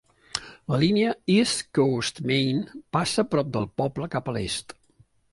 La línia East Coast Main passa prop del poble cap a l'est.